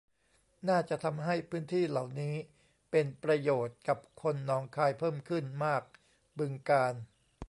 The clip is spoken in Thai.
น่าจะทำให้พื้นที่เหล่านี้เป็นประโยชน์กับคนหนองคายเพิ่มขึ้นมาก บึงกาฬ